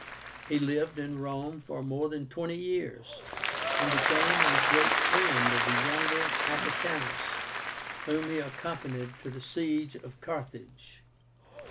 He lived in Rome for more than twenty years, and became a great friend of the younger Africánus, whom he accompanied to the siege of Carthage.